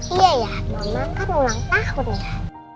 iya ya nonton kan ulang tahun ya